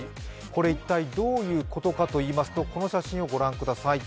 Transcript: これ、一体どういうことかといいますとこの写真ご覧ください。